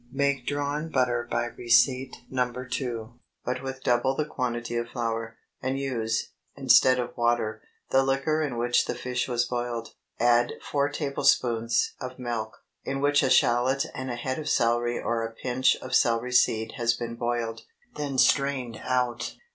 ✠ Make drawn butter by receipt No. 2, but with double the quantity of flour, and use, instead of water, the liquor in which the fish was boiled. Add four tablespoonfuls of milk, in which a shallot and a head of celery or a pinch of celery seed has been boiled, then strained out.